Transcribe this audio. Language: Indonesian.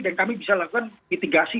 dan kami bisa lakukan mitigasi